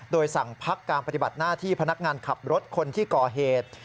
โดยสั่งพักการปฏิบัติหน้าที่พนักงานขับรถคนที่ก่อเหตุ